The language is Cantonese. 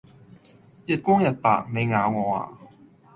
日光日白,你咬我呀?